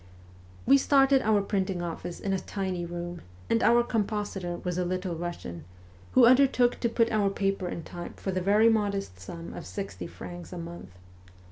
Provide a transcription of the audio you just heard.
We started our printing office in a tiny room, and our compositor was a Little Russian, who undertook to put our paper in type for the very modest sum of sixty francs a month.